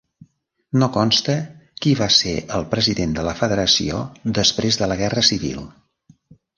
No consta qui va ser el president de la federació després de la Guerra Civil.